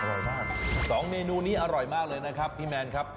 อร่อยมากสองเมนูนี้อร่อยมากเลยนะครับพี่แมนครับ